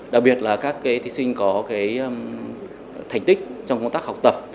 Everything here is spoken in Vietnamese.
đặc biệt là các cái thị sinh có cái thành tích trong công tác học tập